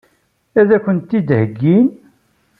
Ad kent-tent-id-heggint?